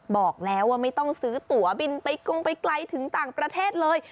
บอกแล้วว่าไม่ต้องซื้อตัวบินไปกงไปไกลถึงต่างประเทศเลย